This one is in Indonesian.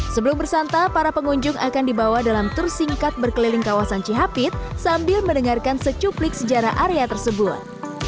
sebelum bersantai para pengunjung akan dibawa dalam tersingkat berkeliling kawasan chp sambil mendengarkan secuplik sejarah area tersebut